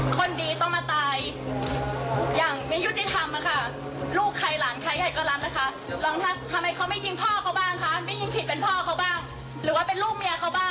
โปรดติดตามตอนต่อไป